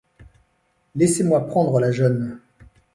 Laissez-moi prendre la jeune.